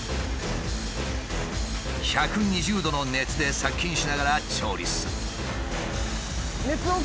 １２０度の熱で殺菌しながら調理する。